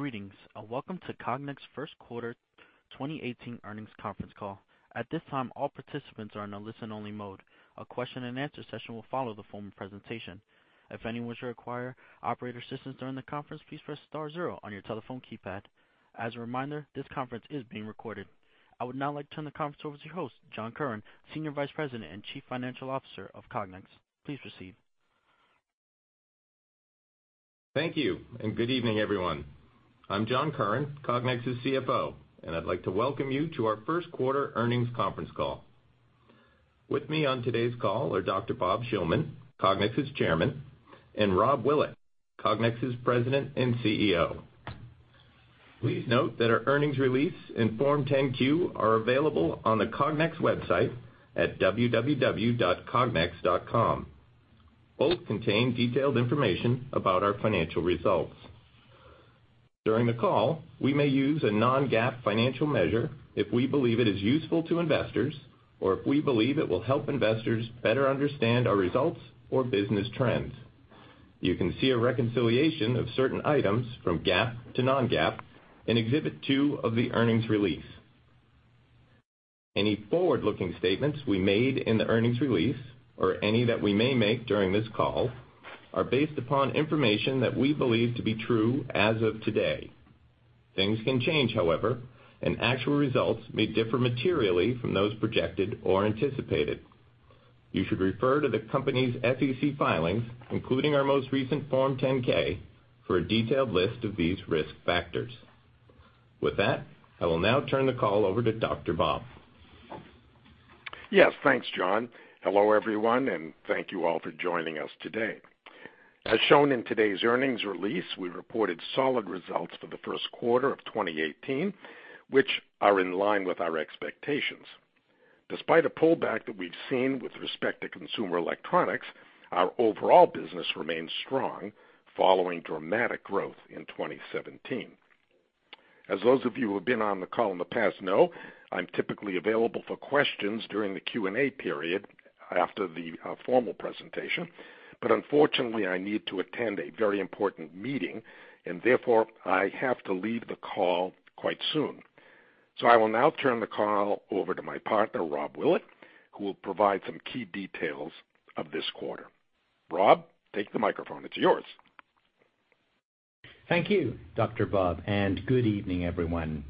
Greetings. Welcome to Cognex First Quarter 2018 Earnings Conference Call. At this time, all participants are in a listen-only mode. A question and answer session will follow the formal presentation. If anyone should require operator assistance during the conference, please press star zero on your telephone keypad. As a reminder, this conference is being recorded. I would now like to turn the conference over to your host, John Curran, Senior Vice President and Chief Financial Officer of Cognex. Please proceed. Thank you. Good evening, everyone. I'm John Curran, Cognex's CFO, and I'd like to welcome you to our first quarter earnings conference call. With me on today's call are Dr. Bob Shillman, Cognex's Chairman, and Rob Willett, Cognex's President and CEO. Please note that our earnings release in Form 10-Q are available on the Cognex website at www.cognex.com. Both contain detailed information about our financial results. During the call, we may use a non-GAAP financial measure if we believe it is useful to investors or if we believe it will help investors better understand our results or business trends. You can see a reconciliation of certain items from GAAP to non-GAAP in Exhibit 2 of the earnings release. Any forward-looking statements we made in the earnings release or any that we may make during this call are based upon information that we believe to be true as of today. Things can change, however. Actual results may differ materially from those projected or anticipated. You should refer to the company's SEC filings, including our most recent Form 10-K, for a detailed list of these risk factors. With that, I will now turn the call over to Dr. Bob. Yes. Thanks, John. Hello, everyone. Thank you all for joining us today. As shown in today's earnings release, we reported solid results for the first quarter of 2018, which are in line with our expectations. Despite a pullback that we've seen with respect to consumer electronics, our overall business remains strong following dramatic growth in 2017. As those of you who have been on the call in the past know, I'm typically available for questions during the Q&A period after the formal presentation. Unfortunately, I need to attend a very important meeting and therefore, I have to leave the call quite soon. I will now turn the call over to my partner, Robert Willett, who will provide some key details of this quarter. Rob, take the microphone. It's yours. Thank you, Dr. Bob, and good evening, everyone.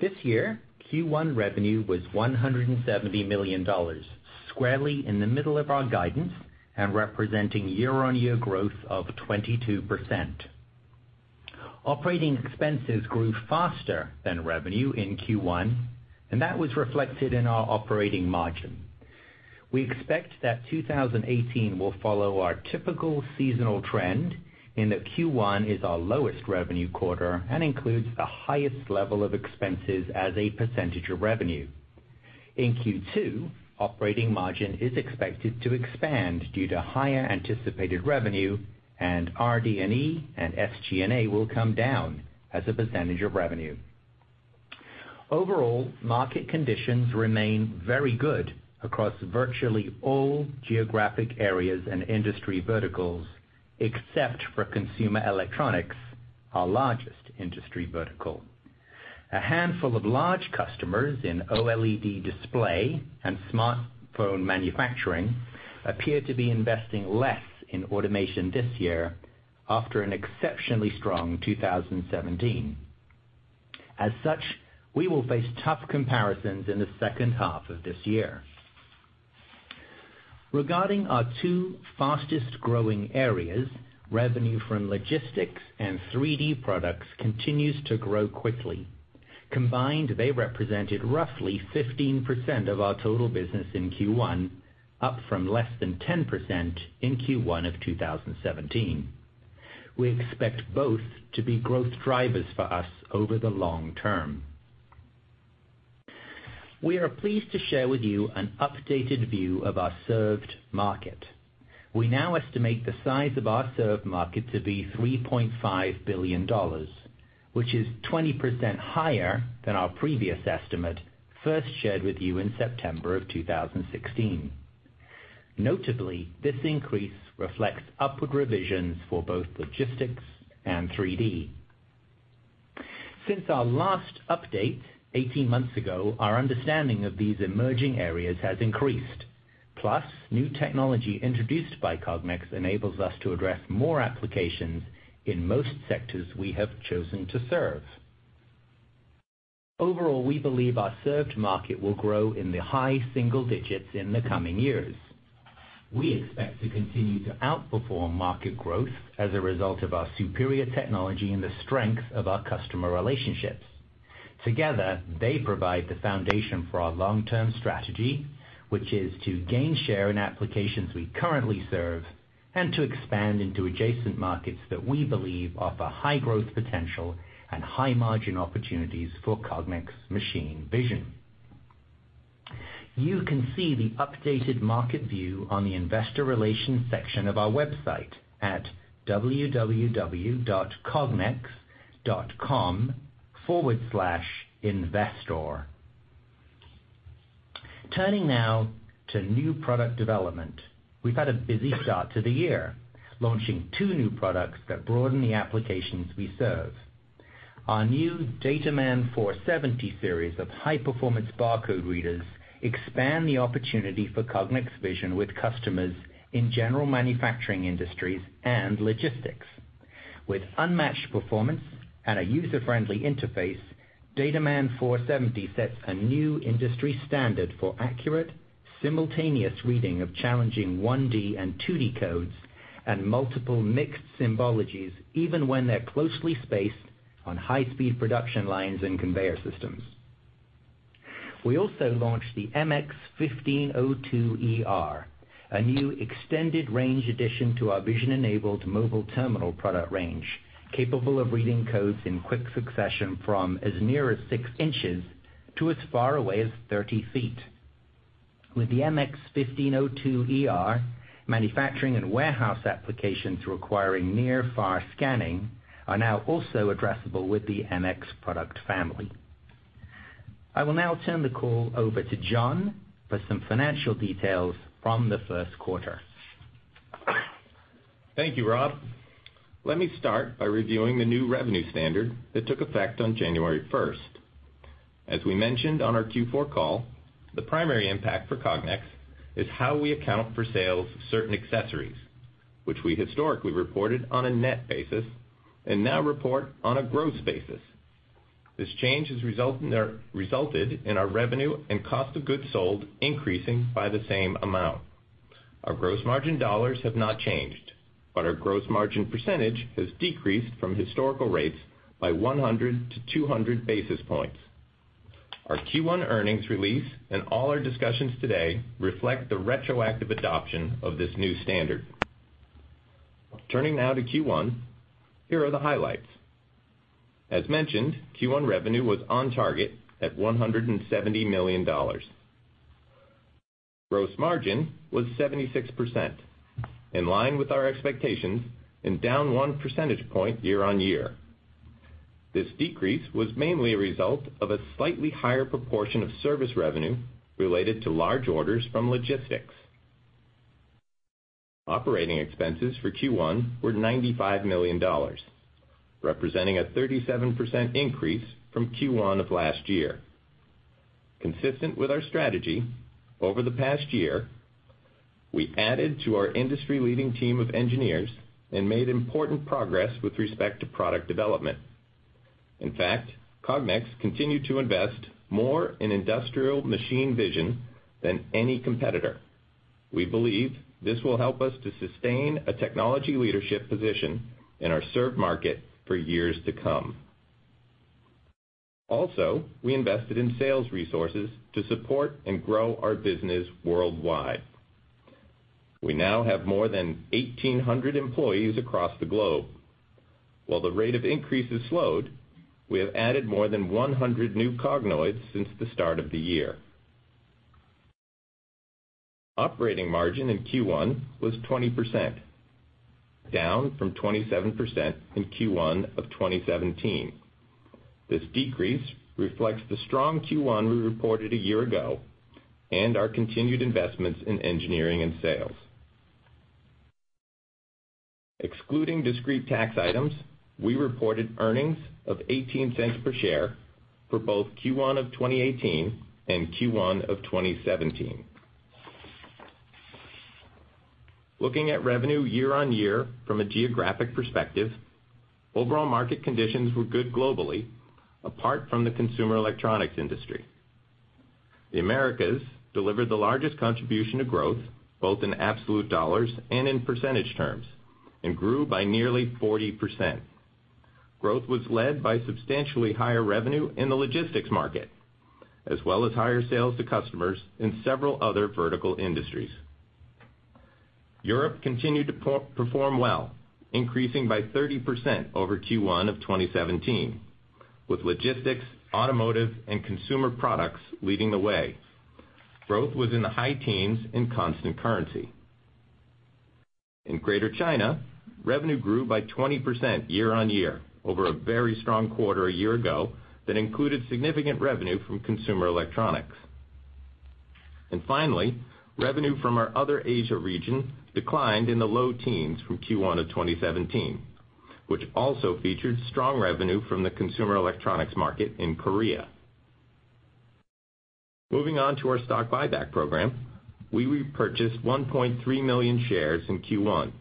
This year, Q1 revenue was $170 million, squarely in the middle of our guidance and representing year-on-year growth of 22%. Operating expenses grew faster than revenue in Q1, and that was reflected in our operating margin. We expect that 2018 will follow our typical seasonal trend in that Q1 is our lowest revenue quarter and includes the highest level of expenses as a percentage of revenue. In Q2, operating margin is expected to expand due to higher anticipated revenue, and RD&E and SG&A will come down as a percentage of revenue. Overall, market conditions remain very good across virtually all geographic areas and industry verticals, except for consumer electronics, our largest industry vertical. A handful of large customers in OLED display and smartphone manufacturing appear to be investing less in automation this year after an exceptionally strong 2017. As such, we will face tough comparisons in the second half of this year. Regarding our two fastest-growing areas, revenue from logistics and 3D products continues to grow quickly. Combined, they represented roughly 15% of our total business in Q1, up from less than 10% in Q1 of 2017. We expect both to be growth drivers for us over the long term. We are pleased to share with you an updated view of our served market. We now estimate the size of our served market to be $3.5 billion, which is 20% higher than our previous estimate, first shared with you in September of 2016. Notably, this increase reflects upward revisions for both logistics and 3D. Since our last update 18 months ago, our understanding of these emerging areas has increased. New technology introduced by Cognex enables us to address more applications in most sectors we have chosen to serve. Overall, we believe our served market will grow in the high single digits in the coming years. We expect to continue to outperform market growth as a result of our superior technology and the strength of our customer relationships. Together, they provide the foundation for our long-term strategy, which is to gain share in applications we currently serve and to expand into adjacent markets that we believe offer high growth potential and high margin opportunities for Cognex machine vision. You can see the updated market view on the investor relations section of our website at www.cognex.com/investor. Turning now to new product development. We've had a busy start to the year, launching two new products that broaden the applications we serve. Our new DataMan 470 series of high-performance barcode readers expand the opportunity for Cognex vision with customers in general manufacturing industries and logistics. With unmatched performance and a user-friendly interface, DataMan 470 sets a new industry standard for accurate, simultaneous reading of challenging 1D and 2D codes and multiple mixed symbologies, even when they're closely spaced on high-speed production lines and conveyor systems. We also launched the MX-1502 ER, a new extended range addition to our vision-enabled mobile terminal product range, capable of reading codes in quick succession from as near as 6 inches to as far away as 30 feet. With the MX-1502 ER, manufacturing and warehouse applications requiring near/far scanning are now also addressable with the MX product family. I will now turn the call over to John for some financial details from the first quarter. Thank you, Rob. Let me start by reviewing the new revenue standard that took effect on January 1st. As we mentioned on our Q4 call, the primary impact for Cognex is how we account for sales of certain accessories, which we historically reported on a net basis and now report on a gross basis. This change has resulted in our revenue and cost of goods sold increasing by the same amount. Our gross margin dollars have not changed, but our gross margin percentage has decreased from historical rates by 100 to 200 basis points. Our Q1 earnings release and all our discussions today reflect the retroactive adoption of this new standard. Turning now to Q1, here are the highlights. As mentioned, Q1 revenue was on target at $170 million. Gross margin was 76%, in line with our expectations and down one percentage point year-on-year. This decrease was mainly a result of a slightly higher proportion of service revenue related to large orders from logistics. Operating expenses for Q1 were $95 million, representing a 37% increase from Q1 of last year. Consistent with our strategy, over the past year, we added to our industry-leading team of engineers and made important progress with respect to product development. In fact, Cognex continued to invest more in industrial machine vision than any competitor. We believe this will help us to sustain a technology leadership position in our served market for years to come. Also, we invested in sales resources to support and grow our business worldwide. We now have more than 1,800 employees across the globe. While the rate of increase has slowed, we have added more than 100 new Cognoids since the start of the year. Operating margin in Q1 was 20%, down from 27% in Q1 of 2017. This decrease reflects the strong Q1 we reported a year ago and our continued investments in engineering and sales. Excluding discrete tax items, we reported earnings of $0.18 per share for both Q1 of 2018 and Q1 of 2017. Looking at revenue year-on-year from a geographic perspective, overall market conditions were good globally, apart from the consumer electronics industry. The Americas delivered the largest contribution to growth, both in absolute dollars and in percentage terms, and grew by nearly 40%. Growth was led by substantially higher revenue in the logistics market, as well as higher sales to customers in several other vertical industries. Europe continued to perform well, increasing by 30% over Q1 of 2017, with logistics, automotive, and consumer products leading the way. Growth was in the high teens in constant currency. In Greater China, revenue grew by 20% year-on-year over a very strong quarter a year ago that included significant revenue from consumer electronics. Finally, revenue from our other Asia region declined in the low teens from Q1 of 2017, which also featured strong revenue from the consumer electronics market in Korea. Moving on to our stock buyback program, we repurchased 1.3 million shares in Q1.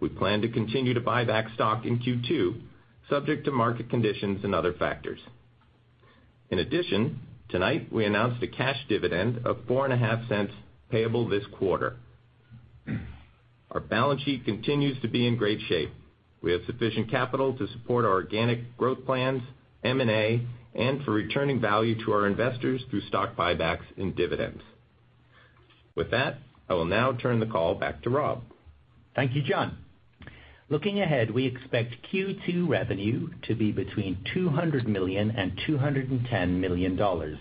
We plan to continue to buy back stock in Q2, subject to market conditions and other factors. In addition, tonight, we announced a cash dividend of $0.045 payable this quarter. Our balance sheet continues to be in great shape. We have sufficient capital to support our organic growth plans, M&A, and for returning value to our investors through stock buybacks and dividends. With that, I will now turn the call back to Rob. Thank you, John. Looking ahead, we expect Q2 revenue to be between $200 million and $210 million,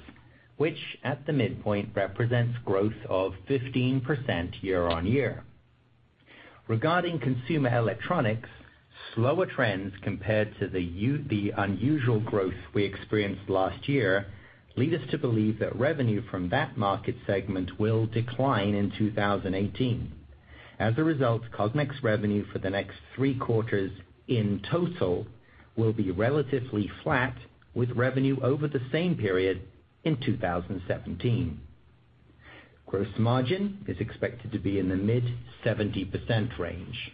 which at the midpoint represents growth of 15% year-over-year. Regarding consumer electronics, slower trends compared to the unusual growth we experienced last year lead us to believe that revenue from that market segment will decline in 2018. As a result, Cognex revenue for the next three quarters in total will be relatively flat with revenue over the same period in 2017. Gross margin is expected to be in the mid 70% range.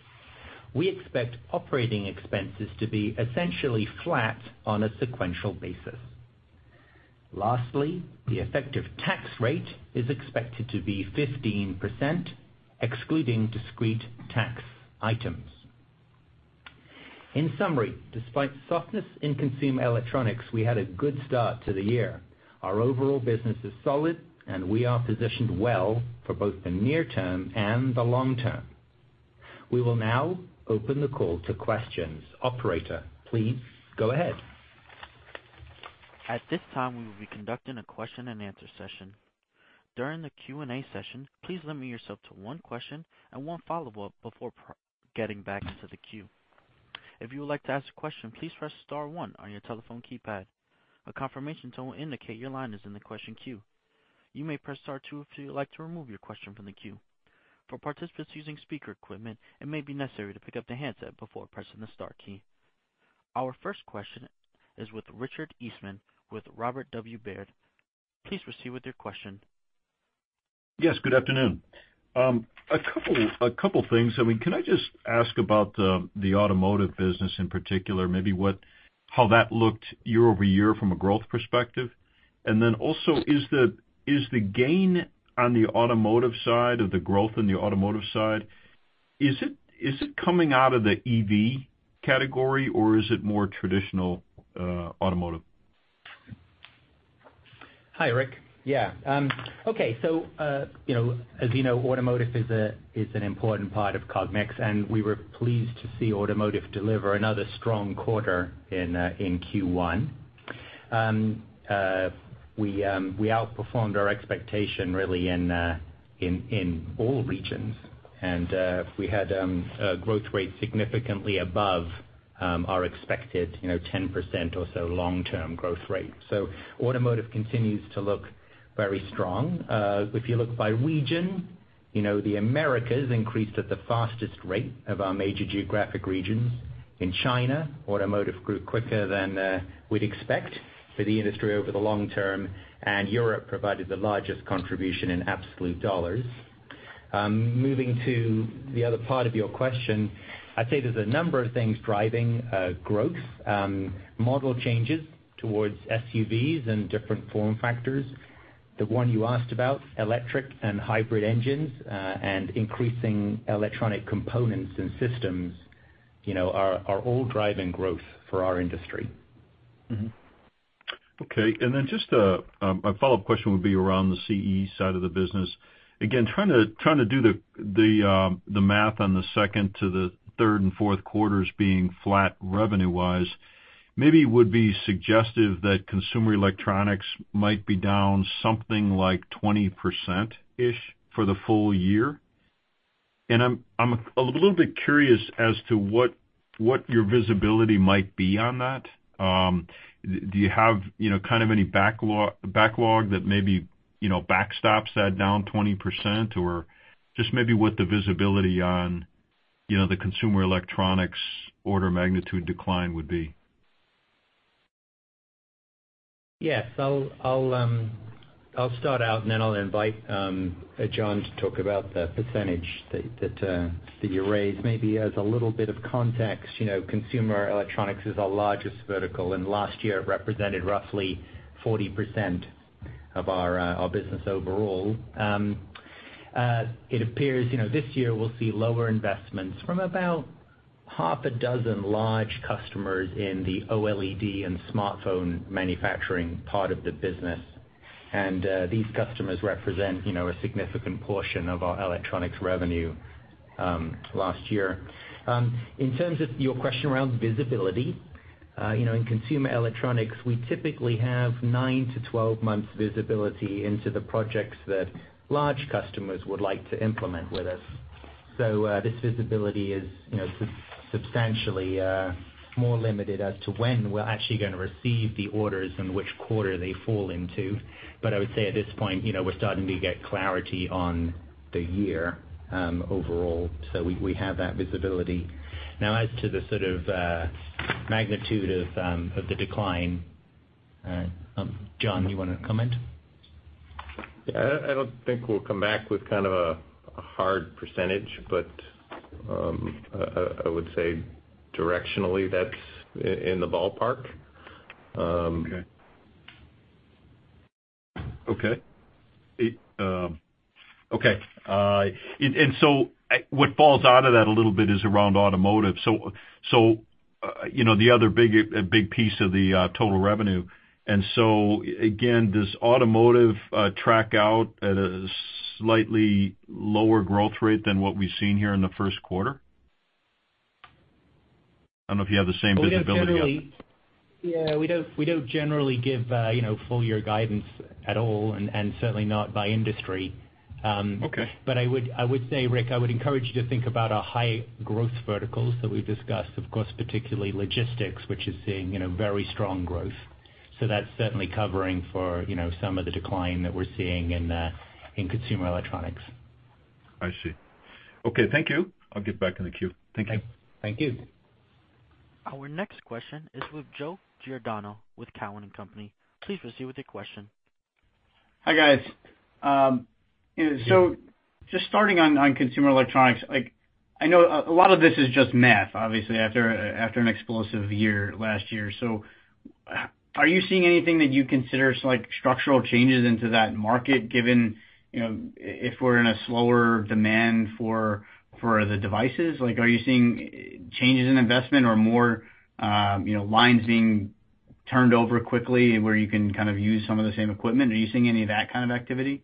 We expect operating expenses to be essentially flat on a sequential basis. Lastly, the effective tax rate is expected to be 15%, excluding discrete tax items. In summary, despite softness in consumer electronics, we had a good start to the year. Our overall business is solid. We are positioned well for both the near term and the long term. We will now open the call to questions. Operator, please go ahead. At this time, we will be conducting a question-and-answer session. During the Q&A session, please limit yourself to one question and one follow-up before getting back to the queue. If you would like to ask a question, please press star one on your telephone keypad. A confirmation tone will indicate your line is in the question queue. You may press star two if you would like to remove your question from the queue. For participants using speaker equipment, it may be necessary to pick up the handset before pressing the star key. Our first question is with Richard Eastman with Robert W. Baird. Please proceed with your question. Yes, good afternoon. A couple things. Can I just ask about the automotive business in particular? Maybe how that looked year-over-year from a growth perspective. Also, is the gain on the automotive side, or the growth in the automotive side, is it coming out of the EV category or is it more traditional automotive? Hi, Rick. As you know, automotive is an important part of Cognex, and we were pleased to see automotive deliver another strong quarter in Q1. We outperformed our expectation in all regions. We had a growth rate significantly above our expected 10% or so long-term growth rate. Automotive continues to look very strong. If you look by region, the Americas increased at the fastest rate of our major geographic regions. In China, automotive grew quicker than we'd expect for the industry over the long term, and Europe provided the largest contribution in absolute dollars. Moving to the other part of your question, I'd say there's a number of things driving growth. Model changes towards SUVs and different form factors. The one you asked about, electric and hybrid engines, and increasing electronic components and systems, are all driving growth for our industry. Just my follow-up question would be around the CE side of the business. Again, trying to do the math on the 2nd to the 3rd and 4th quarters being flat revenue-wise. Maybe would be suggestive that consumer electronics might be down something like 20% ish for the full year. I'm a little bit curious as to what your visibility might be on that. Do you have kind of any backlog that maybe backstops that down 20%? Or just maybe what the visibility on the consumer electronics order magnitude decline would be? Yes. I'll start out, I'll invite John to talk about the percentage that you raised. Maybe as a little bit of context, consumer electronics is our largest vertical, and last year it represented roughly 40% of our business overall. It appears this year we'll see lower investments from about half a dozen large customers in the OLED and smartphone manufacturing part of the business. These customers represent a significant portion of our electronics revenue last year. In terms of your question around visibility, in consumer electronics, we typically have 9 to 12 months visibility into the projects that large customers would like to implement with us. This visibility is substantially more limited as to when we're actually going to receive the orders and which quarter they fall into. I would say at this point, we're starting to get clarity on the year overall. We have that visibility. Now, as to the sort of magnitude of the decline, John, you want to comment? I don't think we'll come back with kind of a hard percentage, I would say directionally, that's in the ballpark. Okay. What falls out of that a little bit is around automotive. The other big piece of the total revenue. Again, does automotive track out at a slightly lower growth rate than what we've seen here in the first quarter? I don't know if you have the same visibility yet. We don't generally give full year guidance at all, certainly not by industry. Okay. I would say, Rick, I would encourage you to think about our high growth verticals that we've discussed, of course, particularly logistics, which is seeing very strong growth. That's certainly covering for some of the decline that we're seeing in consumer electronics. I see. Okay. Thank you. I'll get back in the queue. Thank you. Thank you. Our next question is with Joseph Giordano with Cowen and Company. Please proceed with your question. Hi, guys. Just starting on consumer electronics, I know a lot of this is just math, obviously, after an explosive year last year. Are you seeing anything that you'd consider structural changes into that market given if we're in a slower demand for the devices? Are you seeing changes in investment or more lines being turned over quickly where you can kind of use some of the same equipment? Are you seeing any of that kind of activity?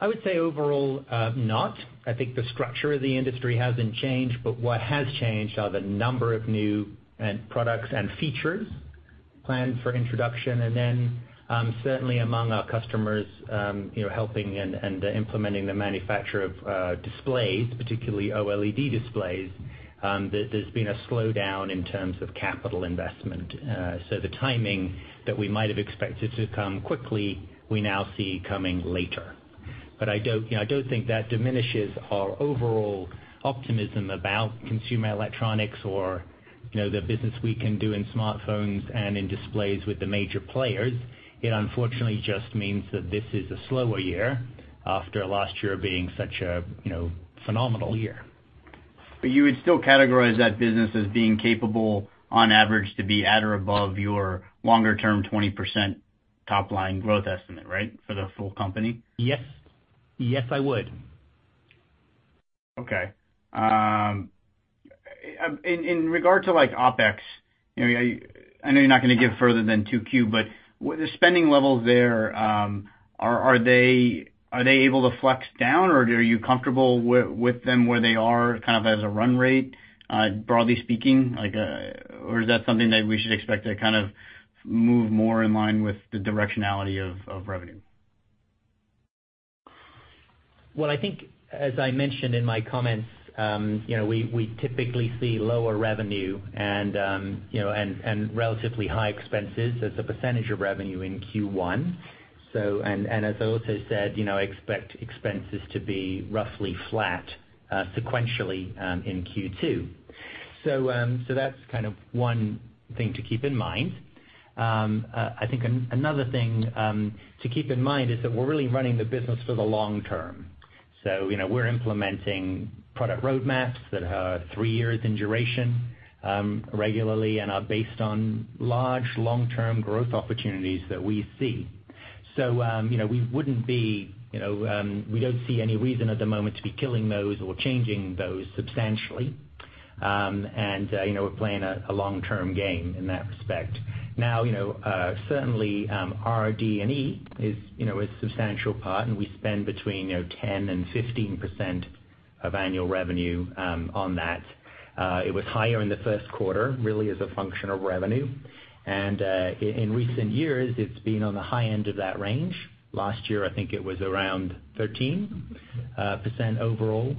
I would say overall, not. I think the structure of the industry hasn't changed, what has changed are the number of new end products and features planned for introduction, certainly among our customers helping and implementing the manufacture of displays, particularly OLED displays, there's been a slowdown in terms of capital investment. The timing that we might have expected to come quickly, we now see coming later. I don't think that diminishes our overall optimism about consumer electronics or the business we can do in smartphones and in displays with the major players. It unfortunately just means that this is a slower year after last year being such a phenomenal year. You would still categorize that business as being capable, on average, to be at or above your longer term 20% top-line growth estimate, right, for the full company? Yes. Yes, I would. Okay. In regard to OpEx, I know you're not going to give further than 2Q, the spending levels there, are they able to flex down, or are you comfortable with them where they are as a run rate, broadly speaking? Is that something that we should expect to kind of move more in line with the directionality of revenue? Well, I think, as I mentioned in my comments, we typically see lower revenue and relatively high expenses as a percentage of revenue in Q1. As I also said, I expect expenses to be roughly flat sequentially in Q2. That's kind of one thing to keep in mind. I think another thing to keep in mind is that we're really running the business for the long term. We're implementing product roadmaps that are three years in duration regularly, and are based on large long-term growth opportunities that we see. We don't see any reason at the moment to be killing those or changing those substantially. We're playing a long-term game in that respect. Now, certainly, R, D, and E is a substantial part, and we spend between 10% and 15% of annual revenue on that. It was higher in the first quarter, really as a function of revenue. In recent years, it's been on the high end of that range. Last year, I think it was around 13% overall.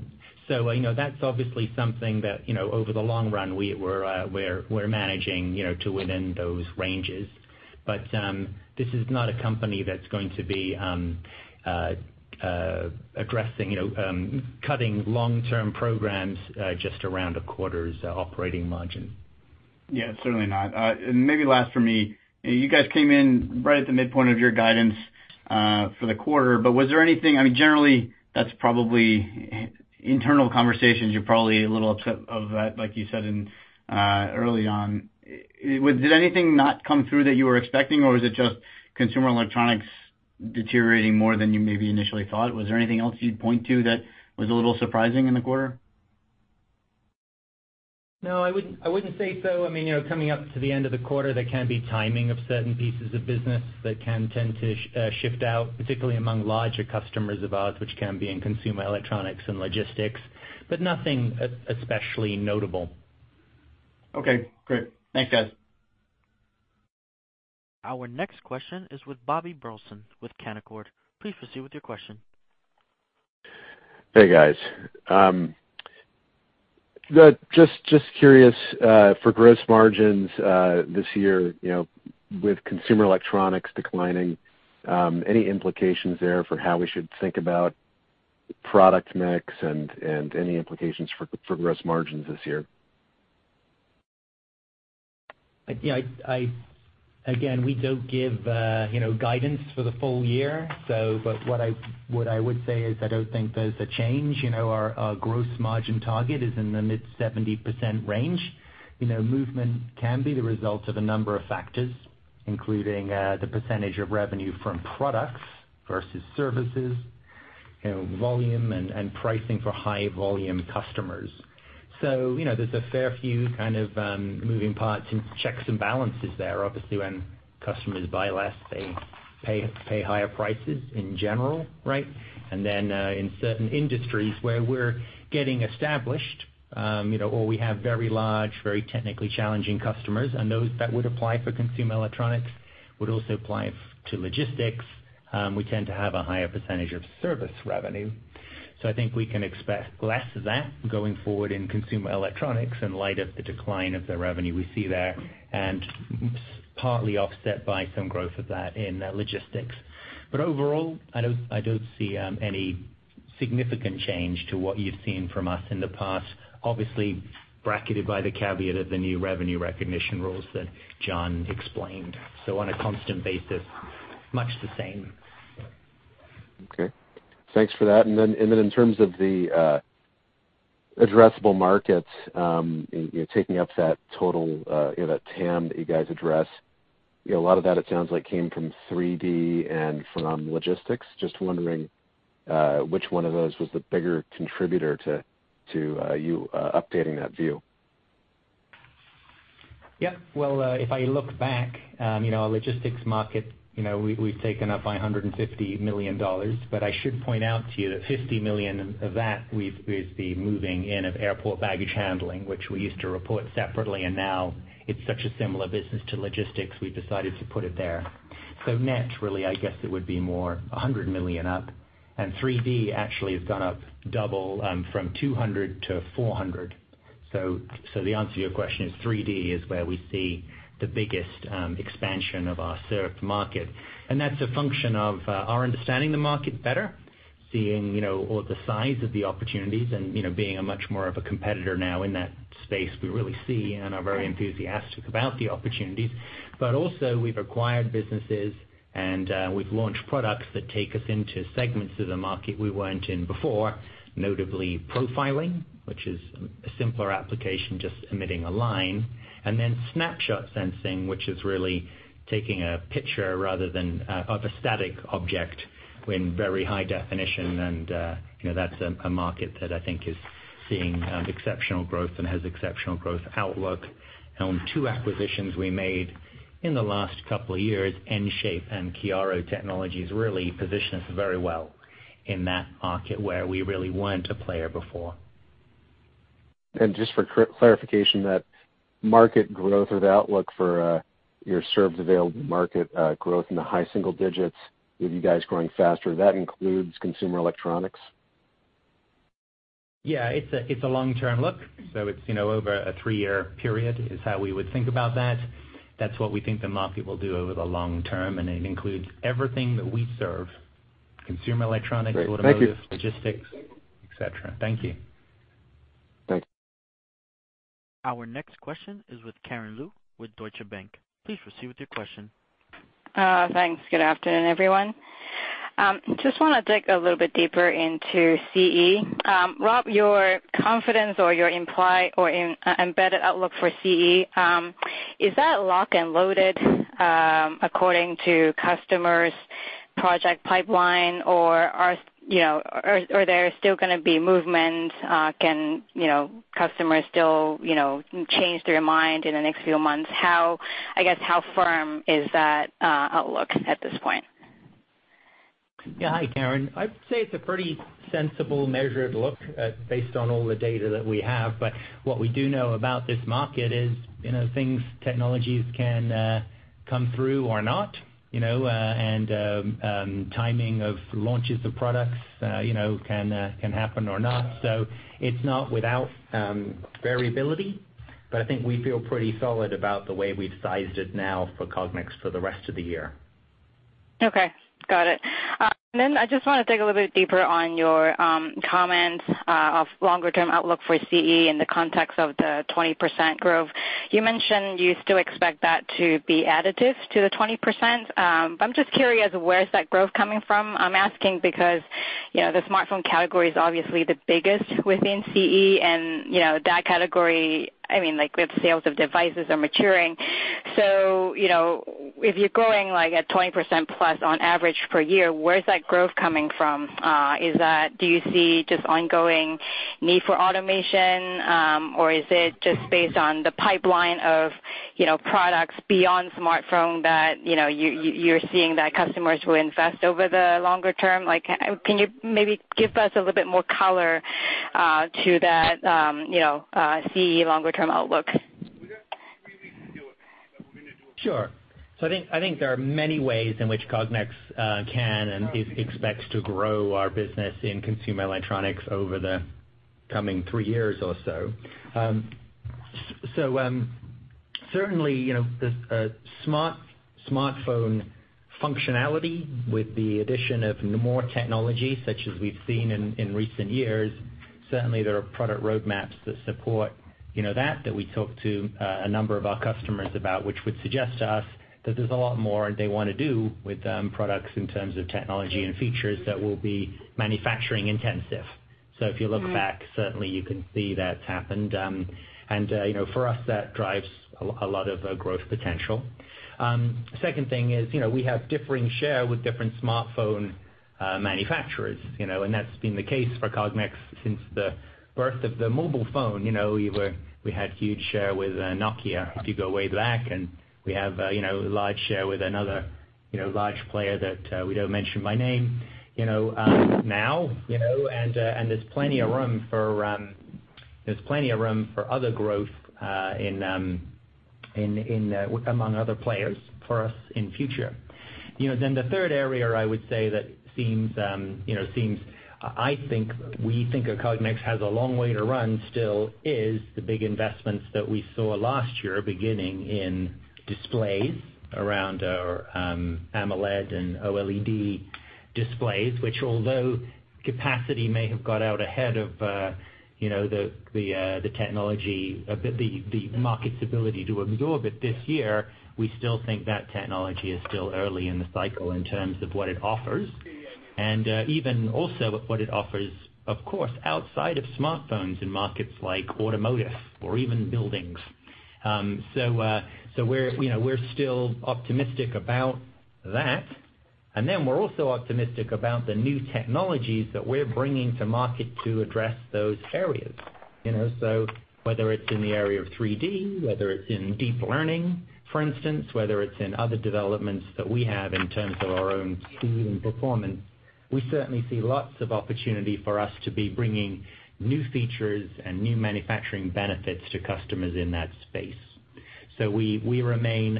That's obviously something that, over the long run, we're managing to within those ranges. This is not a company that's going to be cutting long-term programs just around a quarter's operating margin. Yeah, certainly not. Maybe last for me, you guys came in right at the midpoint of your guidance for the quarter. Was there anything, I mean, generally, that's probably internal conversations. You're probably a little upset of that, like you said early on. Did anything not come through that you were expecting, or was it just consumer electronics deteriorating more than you maybe initially thought? Was there anything else you'd point to that was a little surprising in the quarter? No, I wouldn't say so. Coming up to the end of the quarter, there can be timing of certain pieces of business that can tend to shift out, particularly among larger customers of ours, which can be in consumer electronics and logistics. Nothing especially notable. Okay, great. Thanks, guys. Our next question is with Bobby Burleson with Canaccord. Please proceed with your question. Hey, guys. Just curious, for gross margins this year, with consumer electronics declining, any implications there for how we should think about product mix and any implications for gross margins this year? We don't give guidance for the full year. What I would say is I don't think there's a change. Our gross margin target is in the mid 70% range. Movement can be the result of a number of factors, including the percentage of revenue from products versus services, volume and pricing for high volume customers. There's a fair few kind of moving parts and checks and balances there. Obviously, when customers buy less, they pay higher prices in general, right? In certain industries where we're getting established, or we have very large, very technically challenging customers, and those that would apply for consumer electronics would also apply to logistics. We tend to have a higher percentage of service revenue. I think we can expect less of that going forward in consumer electronics in light of the decline of the revenue we see there, partly offset by some growth of that in logistics. Overall, I don't see any significant change to what you've seen from us in the past, obviously bracketed by the caveat of the new revenue recognition rules that John explained. On a constant basis, much the same. Okay. Thanks for that. Then in terms of the addressable markets, taking up that total TAM that you guys address, a lot of that it sounds like came from 3D and from logistics. Just wondering which one of those was the bigger contributor to you updating that view. Well, if I look back, our logistics market, we've taken up by $150 million. I should point out to you that $50 million of that is the moving in of airport baggage handling, which we used to report separately, now it's such a similar business to logistics, we've decided to put it there. Net, really, I guess it would be more $100 million up. 3D actually has gone up double from 200 to 400. The answer to your question is 3D is where we see the biggest expansion of our served market. That's a function of our understanding the market better, seeing all the size of the opportunities, being a much more of a competitor now in that space. We really see and are very enthusiastic about the opportunities. Also, we've acquired businesses, we've launched products that take us into segments of the market we weren't in before, notably profiling, which is a simpler application, just emitting a line, then snapshot sensing, which is really taking a picture rather than of a static object in very high definition. That's a market that I think is seeing exceptional growth and has exceptional growth outlook. Two acquisitions we made in the last couple of years, EnShape and Chiaro Technologies, really position us very well in that market where we really weren't a player before. Just for clarification, that market growth or the outlook for your served available market growth in the high single digits with you guys growing faster, that includes consumer electronics? Yeah. It's a long-term look. It's over a three-year period is how we would think about that. That's what we think the market will do over the long term, it includes everything that we serve, consumer electronics- Great. Thank you automotive, logistics, et cetera. Thank you. Thanks. Our next question is with Karen Lau with Deutsche Bank. Please proceed with your question. Thanks. Good afternoon, everyone. Just want to dig a little bit deeper into CE. Rob, your confidence or your implied or embedded outlook for CE, is that locked and loaded according to customers' project pipeline, or are there still going to be movements? Can customers still change their mind in the next few months? I guess, how firm is that outlook at this point? Yeah. Hi, Karen. I'd say it's a pretty sensible, measured look based on all the data that we have. What we do know about this market is, things, technologies can come through or not, and timing of launches of products can happen or not. It's not without variability, but I think we feel pretty solid about the way we've sized it now for Cognex for the rest of the year. Okay. Got it. I just want to dig a little bit deeper on your comments of longer term outlook for CE in the context of the 20% growth. You mentioned you still expect that to be additive to the 20%. I'm just curious, where is that growth coming from? I'm asking because the smartphone category is obviously the biggest within CE, and that category, I mean, like, with sales of devices are maturing. If you're growing like at 20% plus on average per year, where is that growth coming from? Do you see just ongoing need for automation? Is it just based on the pipeline of products beyond smartphone that you're seeing that customers will invest over the longer term? Can you maybe give us a little bit more color to that CE longer term outlook? Sure. I think there are many ways in which Cognex can and expects to grow our business in consumer electronics over the coming three years or so. Certainly, the smartphone functionality with the addition of more technology, such as we've seen in recent years, certainly there are product roadmaps that support that we talk to a number of our customers about, which would suggest to us that there's a lot more they want to do with products in terms of technology and features that will be manufacturing intensive. If you look back, certainly you can see that's happened. For us that drives a lot of growth potential. Second thing is, we have differing share with different smartphone manufacturers, and that's been the case for Cognex since the birth of the mobile phone. We had huge share with Nokia, if you go way back. We have a large share with another large player that we don't mention by name now. There's plenty of room for other growth among other players for us in future. The third area I would say that I think we think of Cognex has a long way to run still is the big investments that we saw last year beginning in displays around our AMOLED and OLED displays, which although capacity may have got out ahead of the market's ability to absorb it this year, we still think that technology is still early in the cycle in terms of what it offers, and even also what it offers, of course, outside of smartphones in markets like automotive or even buildings. We're still optimistic about that. We're also optimistic about the new technologies that we're bringing to market to address those areas. Whether it's in the area of 3D, whether it's in deep learning, for instance, whether it's in other developments that we have in terms of our own speed and performance, we certainly see lots of opportunity for us to be bringing new features and new manufacturing benefits to customers in that space. We remain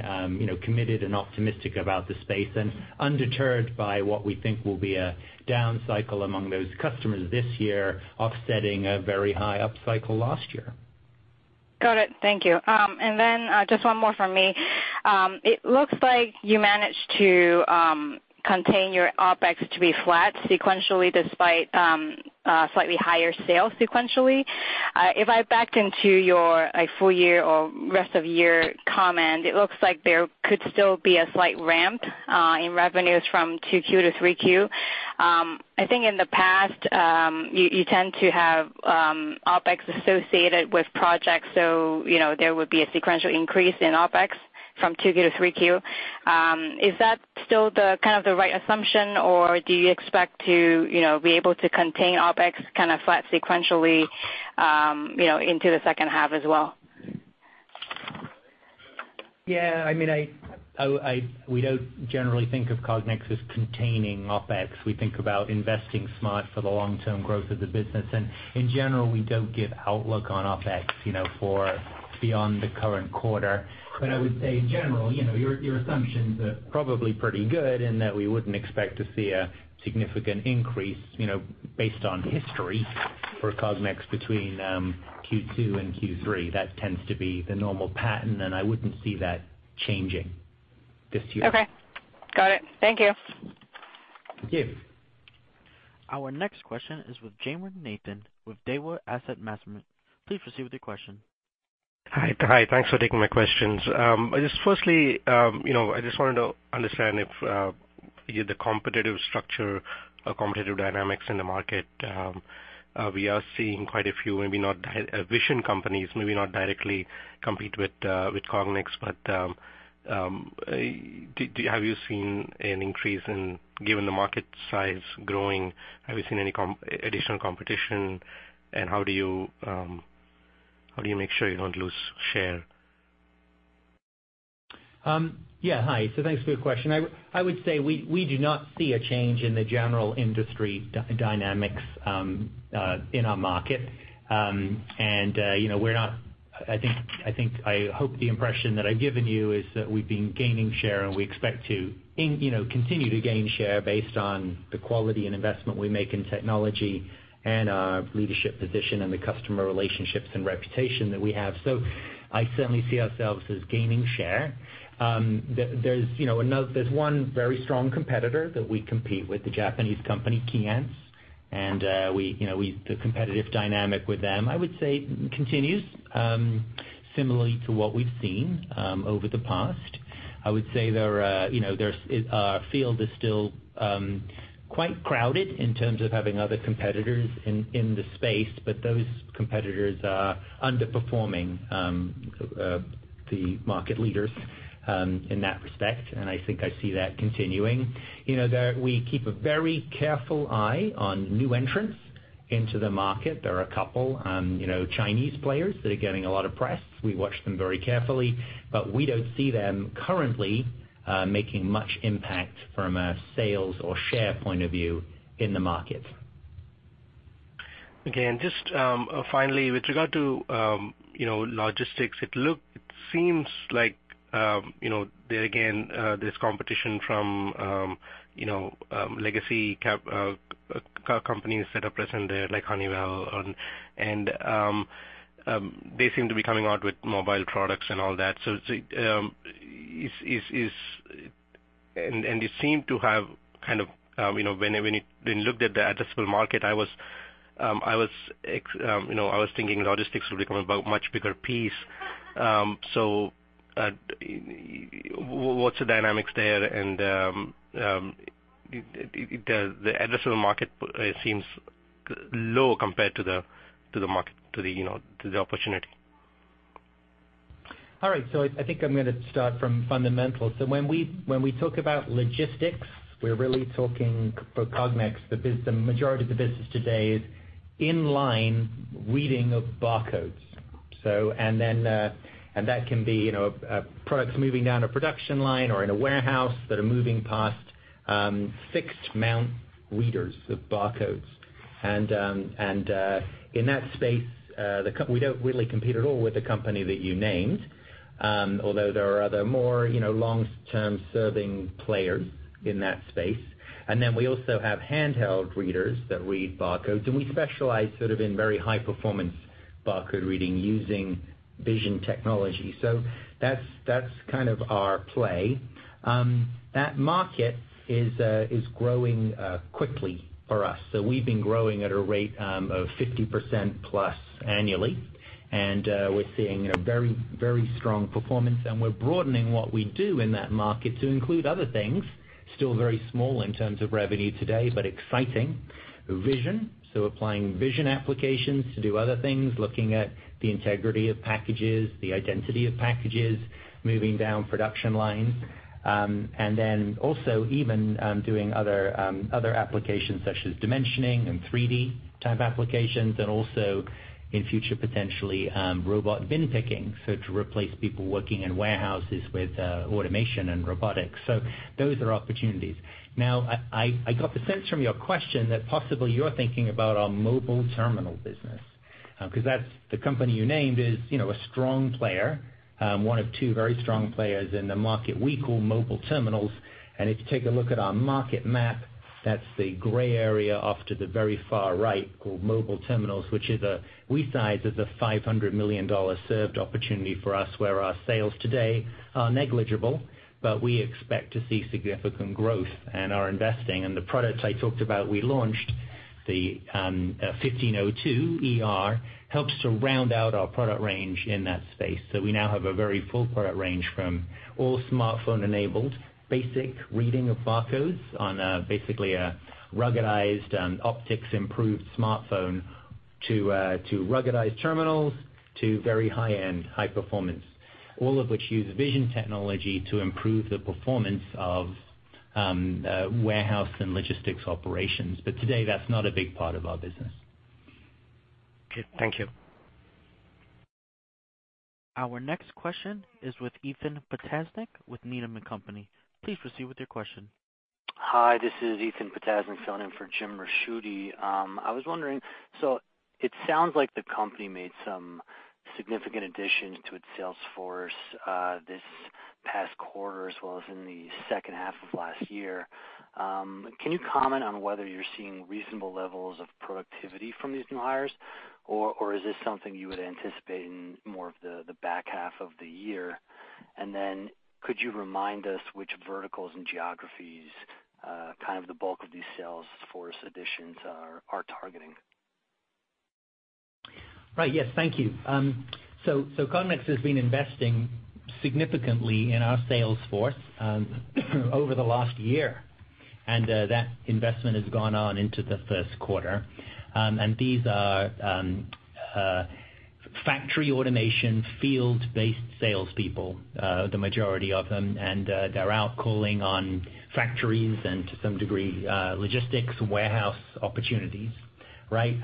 committed and optimistic about the space and undeterred by what we think will be a down cycle among those customers this year, offsetting a very high up cycle last year. Got it. Thank you. Just one more from me. It looks like you managed to contain your OpEx to be flat sequentially, despite slightly higher sales sequentially. If I backed into your full year or rest of year comment, it looks like there could still be a slight ramp in revenues from 2Q to 3Q. I think in the past, you tend to have OpEx associated with projects. There would be a sequential increase in OpEx from 2Q to 3Q. Is that still the right assumption, or do you expect to be able to contain OpEx flat sequentially into the second half as well? Yeah, we don't generally think of Cognex as containing OpEx. We think about investing smart for the long-term growth of the business. In general, we don't give outlook on OpEx for beyond the current quarter. I would say in general, your assumptions are probably pretty good and that we wouldn't expect to see a significant increase, based on history for Cognex between Q2 and Q3. That tends to be the normal pattern, and I wouldn't see that changing this year. Okay. Got it. Thank you. Thank you. Our next question is with Jairam Nathan with Daiwa Capital Markets. Please proceed with your question. Hi. Thanks for taking my questions. Firstly, I wanted to understand the competitive structure or competitive dynamics in the market. We are seeing quite a few, maybe not vision companies, maybe not directly compete with Cognex, but given the market size growing, have you seen any additional competition, and how do you make sure you don't lose share? Hi. Thanks for your question. I would say we do not see a change in the general industry dynamics in our market. I hope the impression that I've given you is that we've been gaining share and we expect to continue to gain share based on the quality and investment we make in technology and our leadership position and the customer relationships and reputation that we have. I certainly see ourselves as gaining share. There's one very strong competitor that we compete with, the Japanese company, Keyence. The competitive dynamic with them, I would say, continues similarly to what we've seen over the past. I would say our field is still quite crowded in terms of having other competitors in the space, but those competitors are underperforming the market leaders in that respect, and I think I see that continuing. We keep a very careful eye on new entrants into the market. There are a couple Chinese players that are getting a lot of press. We watch them very carefully, but we don't see them currently making much impact from a sales or share point of view in the market. Finally, with regard to logistics, it seems like there again there's competition from legacy companies that are present there, like Honeywell. They seem to be coming out with mobile products and all that. When looked at the addressable market, I was thinking logistics will become a much bigger piece. What's the dynamics there? The addressable market seems low compared to the opportunity. All right. I think I'm going to start from fundamentals. When we talk about logistics, we're really talking, for Cognex, the majority of the business today is in-line reading of barcodes. That can be products moving down a production line or in a warehouse that are moving past fixed mount readers of barcodes. In that space, we don't really compete at all with the company that you named, although there are other more long-term serving players in that space. Then we also have handheld readers that read barcodes, and we specialize in very high performance barcode reading using vision technology. That's kind of our play. That market is growing quickly for us. We've been growing at a rate of 50% plus annually, and we're seeing very strong performance, and we're broadening what we do in that market to include other things, still very small in terms of revenue today, but exciting. Vision, applying vision applications to do other things, looking at the integrity of packages, the identity of packages, moving down production lines. Then also even doing other applications such as dimensioning and 3D type applications, and also in future, potentially, robot bin picking, to replace people working in warehouses with automation and robotics. Those are opportunities. Now, I got the sense from your question that possibly you're thinking about our mobile terminal business. Because the company you named is a strong player, one of two very strong players in the market we call mobile terminals. If you take a look at our market map, that's the gray area off to the very far right, called mobile terminals, which we size as a $500 million served opportunity for us, where our sales today are negligible, but we expect to see significant growth and are investing. The products I talked about we launched, the 1502 ER, helps to round out our product range in that space. We now have a very full product range from all smartphone enabled, basic reading of barcodes on basically a ruggedized, optics improved smartphone, to ruggedized terminals, to very high-end, high performance. All of which use vision technology to improve the performance of warehouse and logistics operations. Today, that's not a big part of our business. Okay. Thank you. Our next question is with Ethan Potasnik with Needham & Company. Please proceed with your question. Hi, this is Ethan Potasnik filling in for Jim Ricchiuti. I was wondering, it sounds like the company made some significant additions to its sales force this past quarter, as well as in the second half of last year. Can you comment on whether you're seeing reasonable levels of productivity from these new hires, or is this something you would anticipate in more of the back half of the year? Could you remind us which verticals and geographies kind of the bulk of these sales force additions are targeting? Right. Yes. Thank you. Cognex has been investing significantly in our sales force over the last year, and that investment has gone on into the first quarter. These are factory automation, field-based salespeople, the majority of them, and they're out calling on factories and to some degree, logistics warehouse opportunities. Right?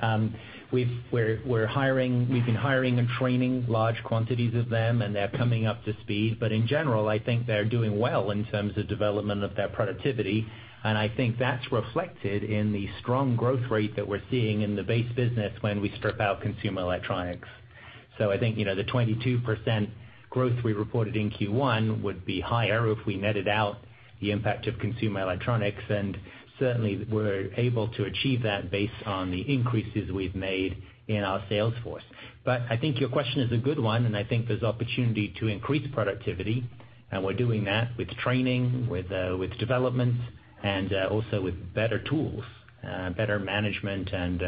We've been hiring and training large quantities of them, and they're coming up to speed. In general, I think they're doing well in terms of development of their productivity, and I think that's reflected in the strong growth rate that we're seeing in the base business when we strip out consumer electronics. I think, the 22% growth we reported in Q1 would be higher if we netted out the impact of consumer electronics, and certainly we're able to achieve that based on the increases we've made in our sales force. I think your question is a good one, and I think there's opportunity to increase productivity. We're doing that with training, with development, and also with better tools, better management and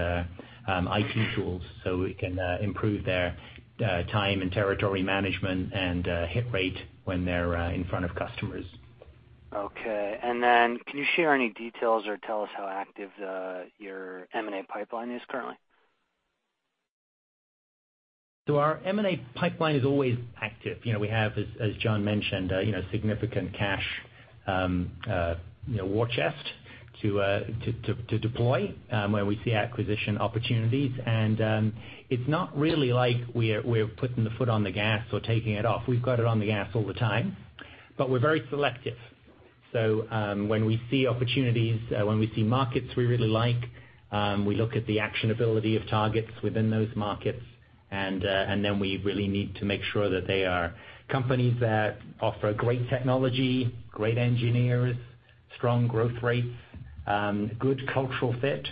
IT tools so we can improve their time and territory management and hit rate when they're in front of customers. Okay. Can you share any details or tell us how active your M&A pipeline is currently? Our M&A pipeline is always active. We have, as John mentioned, significant cash war chest to deploy where we see acquisition opportunities. It's not really like we're putting the foot on the gas or taking it off. We've got it on the gas all the time, but we're very selective. When we see opportunities, when we see markets we really like, we look at the actionability of targets within those markets, then we really need to make sure that they are companies that offer great technology, great engineers, strong growth rates, good cultural fit.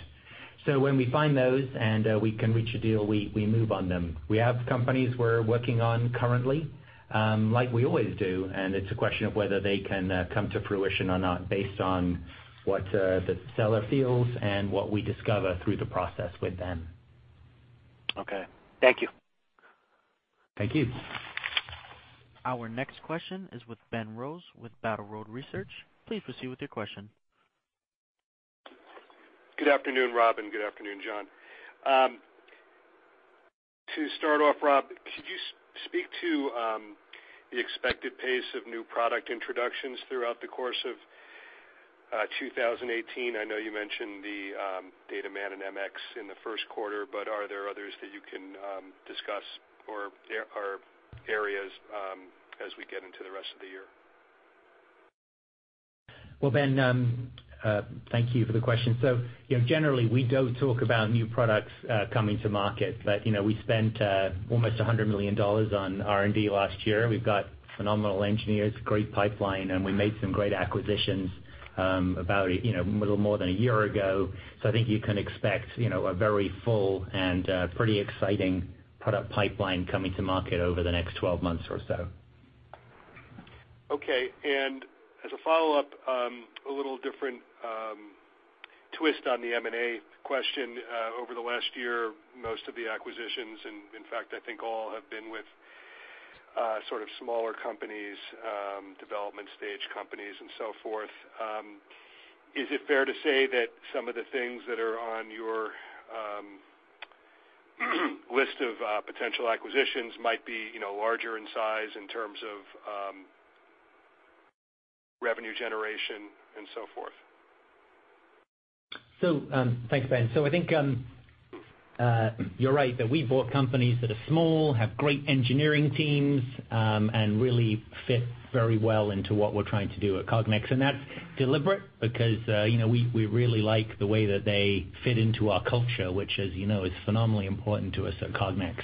When we find those and we can reach a deal, we move on them. We have companies we're working on currently, like we always do, and it's a question of whether they can come to fruition or not based on what the seller feels and what we discover through the process with them. Okay. Thank you. Thank you. Our next question is with Ben Rose with Battle Road Research. Please proceed with your question. Good afternoon, Rob, and good afternoon, John. To start off, Rob, could you speak to the expected pace of new product introductions throughout the course of 2018? I know you mentioned the DataMan and MX in the first quarter, are there others that you can discuss or areas as we get into the rest of the year? Well, Ben, thank you for the question. Generally, we don't talk about new products coming to market. We spent almost $100 million on R&D last year. We've got phenomenal engineers, great pipeline, and we made some great acquisitions about a little more than a year ago. I think you can expect a very full and pretty exciting product pipeline coming to market over the next 12 months or so. Okay, as a follow-up, a little different twist on the M&A question. Over the last year, most of the acquisitions, in fact, I think all, have been with sort of smaller companies, development stage companies and so forth. Is it fair to say that some of the things that are on your list of potential acquisitions might be larger in size in terms of revenue generation and so forth? Thanks, Ben. I think you're right that we bought companies that are small, have great engineering teams, and really fit very well into what we're trying to do at Cognex. That's deliberate because we really like the way that they fit into our culture, which as you know, is phenomenally important to us at Cognex.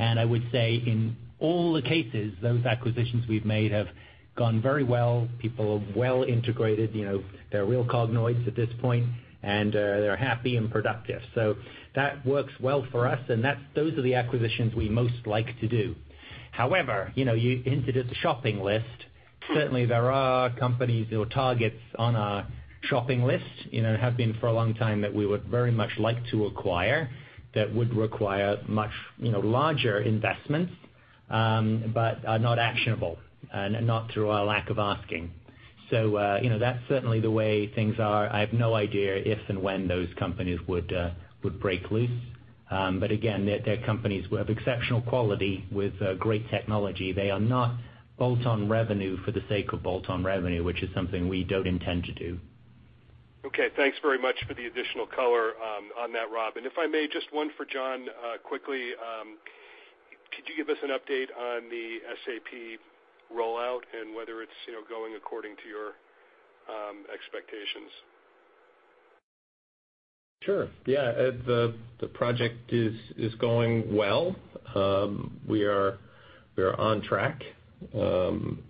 I would say in all the cases, those acquisitions we've made have gone very well. People have well integrated. They're real Cognoids at this point, and they're happy and productive. That works well for us, and those are the acquisitions we most like to do. However, you hinted at the shopping list. Certainly, there are companies or targets on our shopping list, have been for a long time, that we would very much like to acquire that would require much larger investments, but are not actionable, and not through a lack of asking. That's certainly the way things are. I have no idea if and when those companies would break loose. Again, they're companies who have exceptional quality with great technology. They are not bolt-on revenue for the sake of bolt-on revenue, which is something we don't intend to do. Okay. Thanks very much for the additional color on that, Rob. If I may, just one for John quickly. Could you give us an update on the SAP rollout and whether it's going according to your expectations? Sure. Yeah. The project is going well. We are on track. We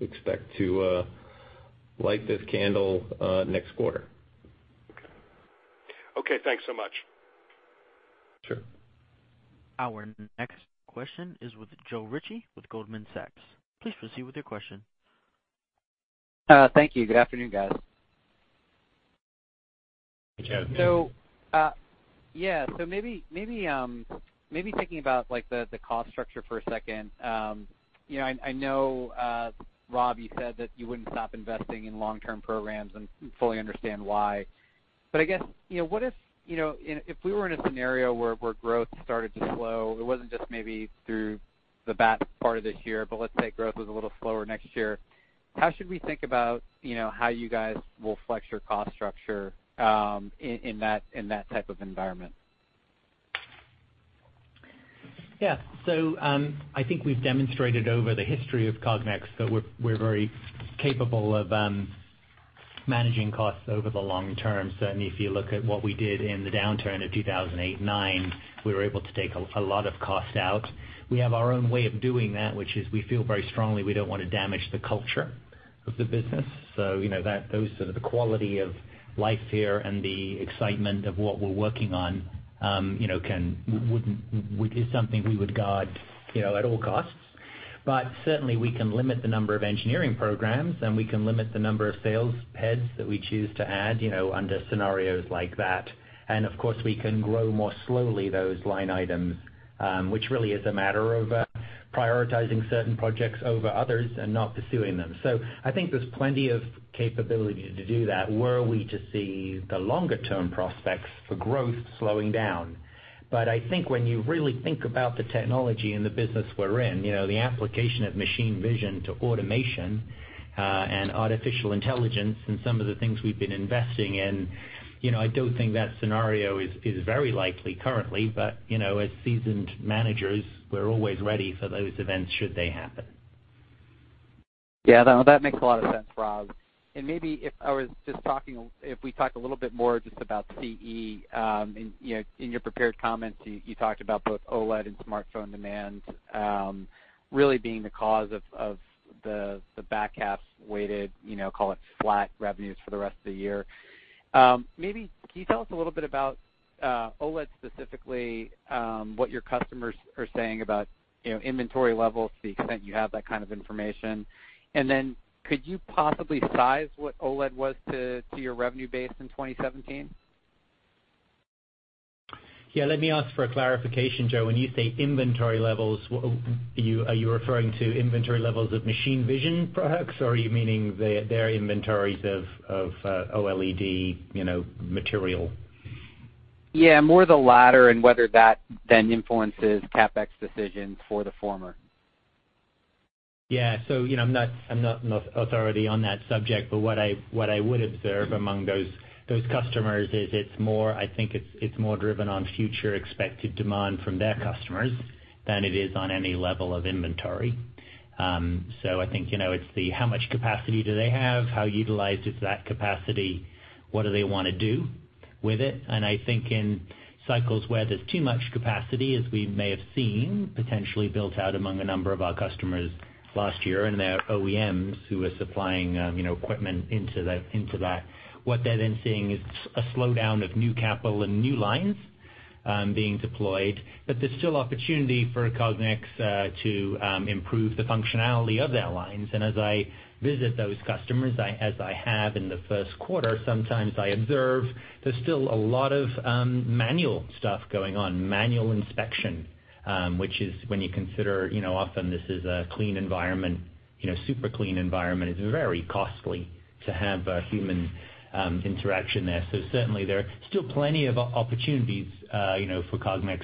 expect to light this candle next quarter. Okay. Thanks so much. Sure. Our next question is with Joe Ritchie with Goldman Sachs. Please proceed with your question. Thank you. Good afternoon, guys. Hey, Joe. How you doing? Yeah. Maybe thinking about the cost structure for a second. I know, Rob, you said that you wouldn't stop investing in long-term programs, and fully understand why. I guess, if we were in a scenario where growth started to slow, it wasn't just maybe through the bad part of this year, but let's say growth was a little slower next year, how should we think about how you guys will flex your cost structure in that type of environment? Yeah. I think we've demonstrated over the history of Cognex that we're very capable of managing costs over the long term. Certainly, if you look at what we did in the downturn of 2008 and 2009, we were able to take a lot of cost out. We have our own way of doing that, which is we feel very strongly we don't want to damage the culture of the business. Those sort of the quality of life here and the excitement of what we're working on is something we would guard at all costs. Certainly, we can limit the number of engineering programs, and we can limit the number of sales heads that we choose to add under scenarios like that. Of course, we can grow more slowly those line items, which really is a matter of prioritizing certain projects over others and not pursuing them. I think there's plenty of capability to do that were we to see the longer-term prospects for growth slowing down. I think when you really think about the technology and the business we're in, the application of machine vision to automation, and artificial intelligence and some of the things we've been investing in, I don't think that scenario is very likely currently. As seasoned managers, we're always ready for those events should they happen. That makes a lot of sense, Rob. Maybe if we talk a little bit more just about CE. In your prepared comments, you talked about both OLED and smartphone demand really being the cause of the back half's weighted, call it flat revenues for the rest of the year. Maybe can you tell us a little bit about OLED specifically, what your customers are saying about inventory levels to the extent you have that kind of information? Then could you possibly size what OLED was to your revenue base in 2017? Let me ask for a clarification, Joe. When you say inventory levels, are you referring to inventory levels of machine vision products, or are you meaning their inventories of OLED material? More the latter, and whether that then influences CapEx decisions for the former. Yeah. I'm not an authority on that subject, but what I would observe among those customers is, I think it's more driven on future expected demand from their customers than it is on any level of inventory. I think it's the how much capacity do they have, how utilized is that capacity, what do they want to do with it? I think in cycles where there's too much capacity, as we may have seen, potentially built out among a number of our customers last year and their OEMs who are supplying equipment into that, what they're then seeing is a slowdown of new capital and new lines being deployed. There's still opportunity for Cognex to improve the functionality of their lines. As I visit those customers, as I have in the first quarter, sometimes I observe there's still a lot of manual stuff going on, manual inspection, which is when you consider, often this is a clean environment, super clean environment. It's very costly to have human interaction there. Certainly, there are still plenty of opportunities for Cognex.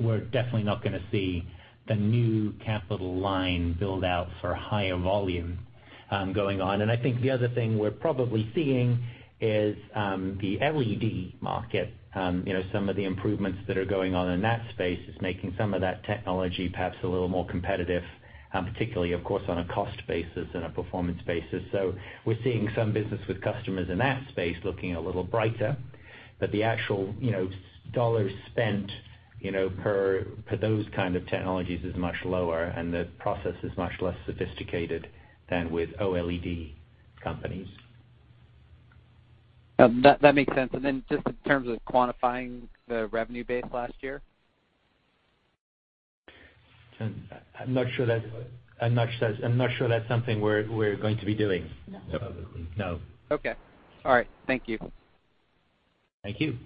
We're definitely not going to see the new capital line build out for higher volume going on. I think the other thing we're probably seeing is the LED market. Some of the improvements that are going on in that space is making some of that technology perhaps a little more competitive, particularly, of course, on a cost basis and a performance basis. We're seeing some business with customers in that space looking a little brighter, but the actual dollars spent per those kind of technologies is much lower, and the process is much less sophisticated than with OLED companies. That makes sense. Just in terms of quantifying the revenue base last year. I'm not sure that's something we're going to be doing. No. No. Okay. All right. Thank you. Thank you.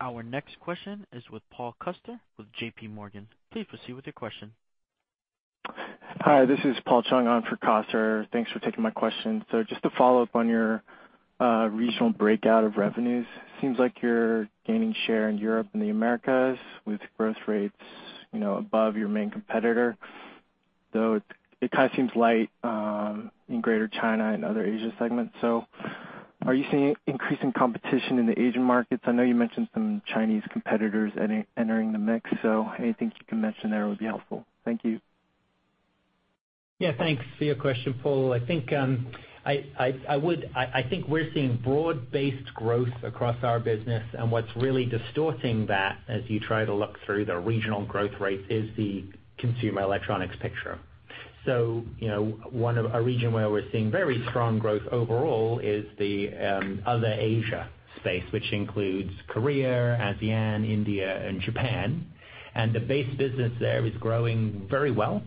Our next question is with Paul Chung with J.P. Morgan. Please proceed with your question. Hi, this is Paul Chung on for Coster. Thanks for taking my question. Just to follow up on your regional breakout of revenues, seems like you're gaining share in Europe and the Americas with growth rates above your main competitor, though it kind of seems light in Greater China and other Asia segments. Are you seeing increasing competition in the Asian markets? I know you mentioned some Chinese competitors entering the mix. Anything you can mention there would be helpful. Thank you. Thanks for your question, Paul. I think we're seeing broad-based growth across our business. What's really distorting that as you try to look through the regional growth rates is the consumer electronics picture. A region where we're seeing very strong growth overall is the other Asia space, which includes Korea, ASEAN, India, and Japan. The base business there is growing very well.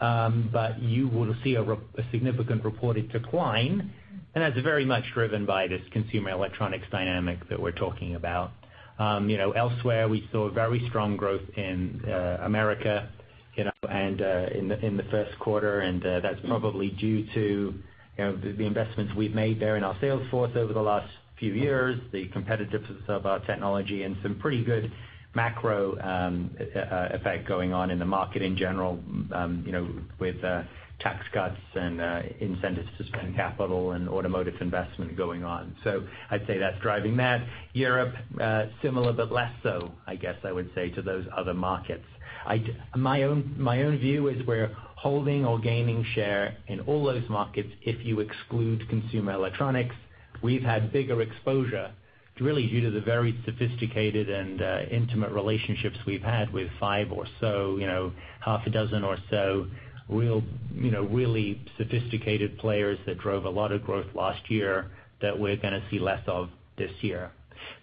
You will see a significant reported decline, and that's very much driven by this consumer electronics dynamic that we're talking about. Elsewhere, we saw very strong growth in America in the first quarter, and that's probably due to the investments we've made there in our sales force over the last few years, the competitiveness of our technology, and some pretty good macro effect going on in the market in general with tax cuts and incentives to spend capital and automotive investment going on. I'd say that's driving that. Europe, similar, less so, I guess I would say, to those other markets. My own view is we're holding or gaining share in all those markets, if you exclude consumer electronics. We've had bigger exposure really due to the very sophisticated and intimate relationships we've had with five or so, half a dozen or so really sophisticated players that drove a lot of growth last year that we're going to see less of this year.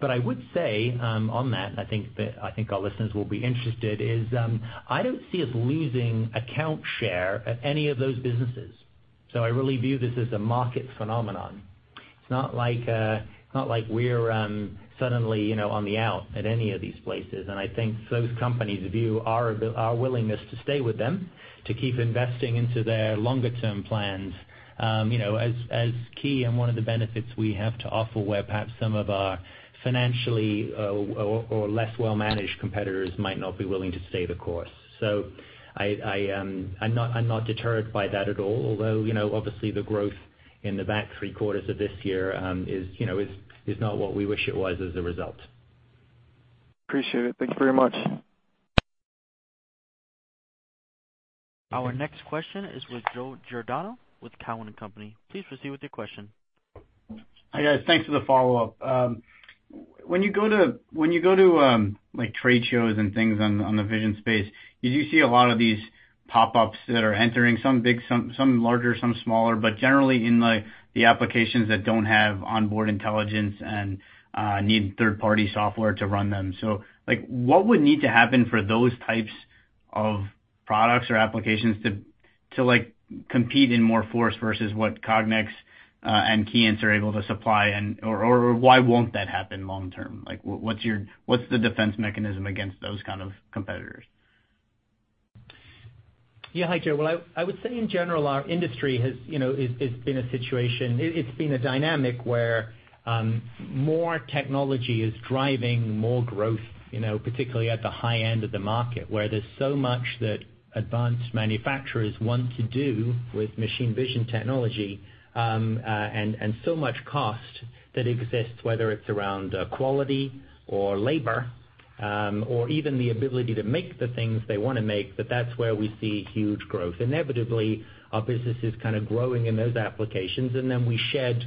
I would say on that, I think our listeners will be interested, is I don't see us losing account share at any of those businesses. I really view this as a market phenomenon. It's not like we're suddenly on the out at any of these places. I think those companies view our willingness to stay with them, to keep investing into their longer term plans, as key and one of the benefits we have to offer, where perhaps some of our financially or less well-managed competitors might not be willing to stay the course. I'm not deterred by that at all. Although, obviously, the growth in the back three quarters of this year is not what we wish it was as a result. Appreciate it. Thank you very much. Our next question is with Joseph Giordano with Cowen and Company. Please proceed with your question. Hi, guys. Thanks for the follow-up. When you go to trade shows and things on the vision space, did you see a lot of these pop-ups that are entering, some big, some larger, some smaller, but generally in the applications that don't have onboard intelligence and need third-party software to run them. What would need to happen for those types of products or applications to compete in more force versus what Cognex and Keyence are able to supply and, or why won't that happen long term? What's the defense mechanism against those kind of competitors? Yeah. Hi, Joe. Well, I would say in general, our industry has been a situation. It's been a dynamic where more technology is driving more growth, particularly at the high end of the market, where there's so much that advanced manufacturers want to do with machine vision technology, and so much cost that exists, whether it's around quality or labor, or even the ability to make the things they want to make, that that's where we see huge growth. Inevitably, our business is kind of growing in those applications, then we shed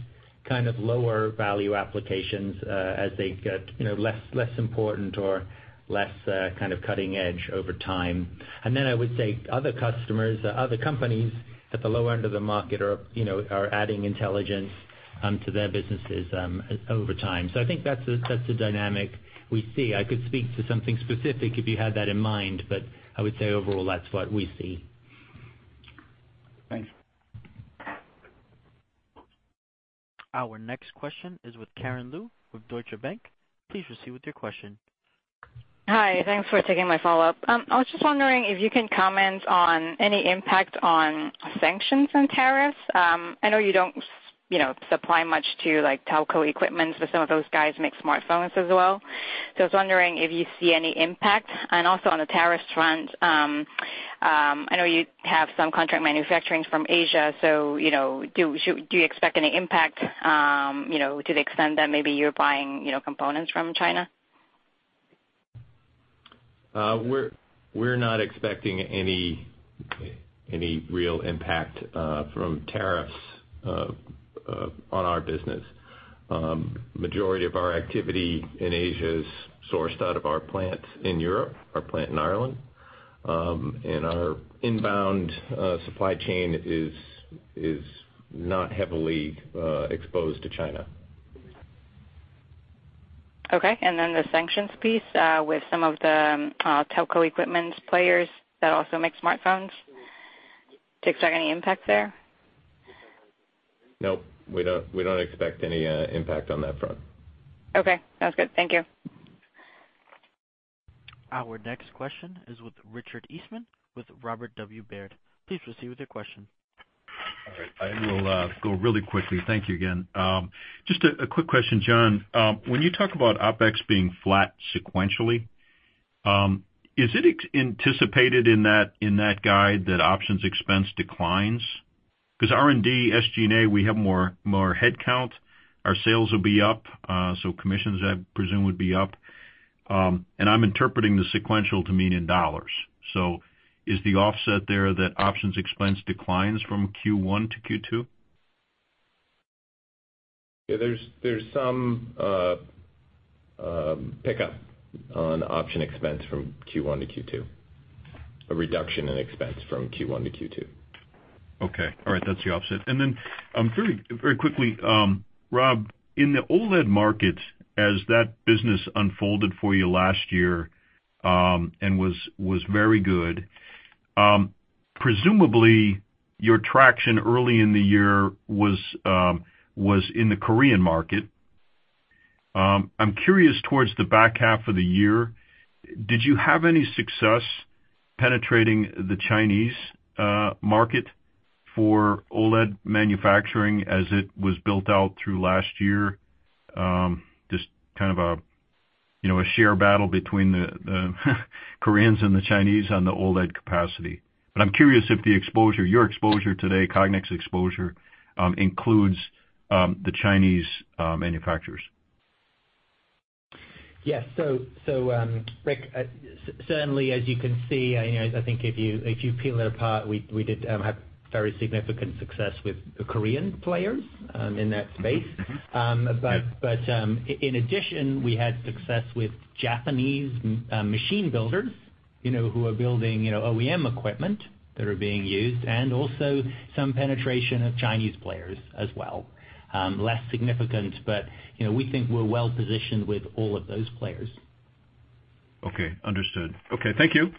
kind of lower value applications, as they get less important or less kind of cutting edge over time. Then I would say other customers, other companies at the lower end of the market are adding intelligence to their businesses over time. I think that's the dynamic we see. I could speak to something specific if you had that in mind, I would say overall, that's what we see. Thanks. Our next question is with Karen Lu of Deutsche Bank. Please proceed with your question. Hi. Thanks for taking my follow-up. I was just wondering if you can comment on any impact on sanctions and tariffs. I know you don't supply much to telco equipment, some of those guys make smartphones as well. I was wondering if you see any impact. Also on the tariffs front, I know you have some contract manufacturing from Asia, do you expect any impact, to the extent that maybe you're buying components from China? We're not expecting any real impact from tariffs on our business. Majority of our activity in Asia is sourced out of our plant in Europe, our plant in Ireland, and our inbound supply chain is not heavily exposed to China. Okay, the sanctions piece with some of the telco equipment players that also make smartphones. Do you expect any impact there? No, we don't expect any impact on that front. Okay, sounds good. Thank you. Our next question is with Richard Eastman with Robert W. Baird. Please proceed with your question. All right. I will go really quickly. Thank you again. Just a quick question, John. When you talk about OpEx being flat sequentially, is it anticipated in that guide that options expense declines? Because R&D, SG&A, we have more headcount. Our sales will be up, so commissions I presume would be up. I'm interpreting the sequential to mean in dollars. Is the offset there that options expense declines from Q1 to Q2? There's some pickup on option expense from Q1 to Q2. A reduction in expense from Q1 to Q2. Okay. All right, that's the offset. Then, very quickly, Rob, in the OLED market, as that business unfolded for you last year, and was very good, presumably your traction early in the year was in the Korean market. I'm curious towards the back half of the year, did you have any success penetrating the Chinese market for OLED manufacturing as it was built out through last year? Just kind of a sheer battle between the Koreans and the Chinese on the OLED capacity. I'm curious if the exposure, your exposure today, Cognex exposure, includes the Chinese manufacturers. Yes. Rick, certainly as you can see, I think if you peel it apart, we did have very significant success with the Korean players in that space. Right. In addition, we had success with Japanese machine builders who are building OEM equipment that are being used, and also some penetration of Chinese players as well. Less significant, we think we're well-positioned with all of those players. Okay, understood. Okay, thank you.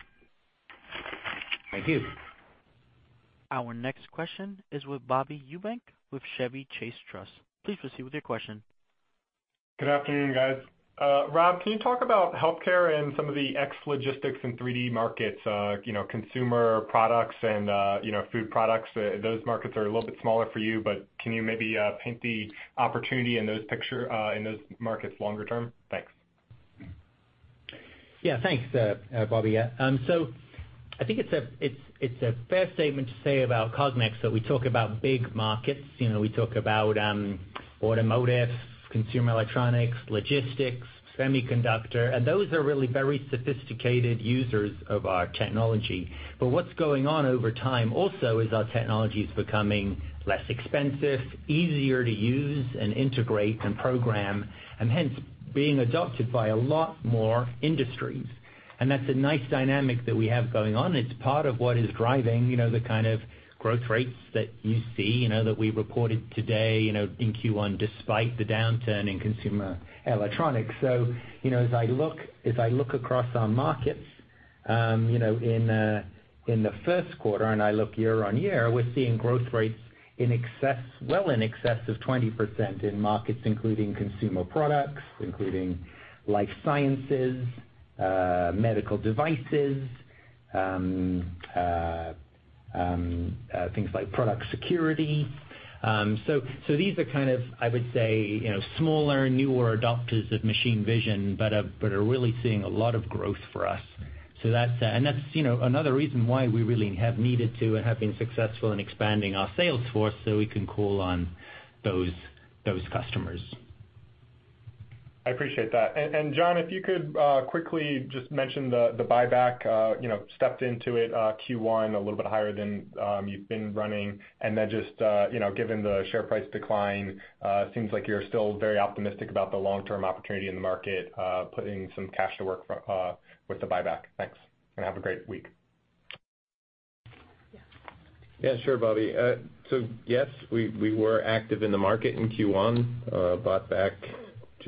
Thank you. Our next question is with Bobby Eubank with Chevy Chase Trust. Please proceed with your question. Good afternoon, guys. Rob, can you talk about healthcare and some of the ex logistics and 3D markets, consumer products and food products? Those markets are a little bit smaller for you, but can you maybe paint the opportunity in those markets longer term? Thanks. Yeah. Thanks, Bobby. I think it's a fair statement to say about Cognex that we talk about big markets. We talk about automotive, consumer electronics, logistics, semiconductor, and those are really very sophisticated users of our technology. What's going on over time also is our technology's becoming less expensive, easier to use and integrate and program, hence being adopted by a lot more industries. That's a nice dynamic that we have going on. It's part of what is driving the kind of growth rates that you see, that we reported today in Q1, despite the downturn in consumer electronics. As I look across our markets- In the first quarter, and I look year-over-year, we're seeing growth rates well in excess of 20% in markets including consumer products, including life sciences, medical devices, things like product security. These are kind of, I would say, smaller, newer adopters of machine vision, but are really seeing a lot of growth for us. That's another reason why we really have needed to and have been successful in expanding our sales force so we can call on those customers. I appreciate that. John, if you could quickly just mention the buyback, stepped into it Q1 a little bit higher than you've been running, just given the share price decline, seems like you're still very optimistic about the long-term opportunity in the market, putting some cash to work with the buyback. Thanks, and have a great week. Yeah, sure, Bobby. Yes, we were active in the market in Q1. Bought back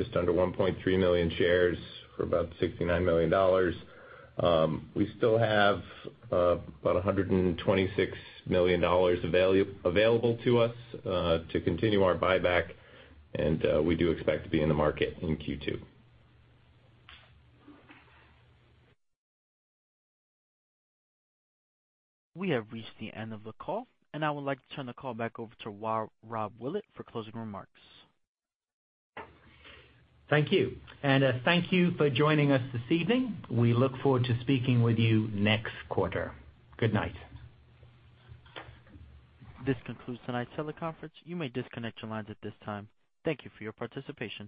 just under 1.3 million shares for about $69 million. We still have about $126 million available to us to continue our buyback, we do expect to be in the market in Q2. We have reached the end of the call. I would like to turn the call back over to Robert Willett for closing remarks. Thank you. Thank you for joining us this evening. We look forward to speaking with you next quarter. Good night. This concludes tonight's teleconference. You may disconnect your lines at this time. Thank you for your participation.